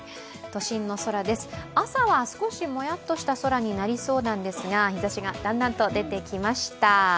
都心の空です、朝は少しもやっとした空になりそうなんですが日ざしがだんだんと出てきました。